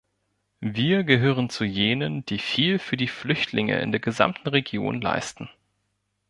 Wir gehören zu jenen, die viel für die Flüchtlinge in der gesamten Region leisten.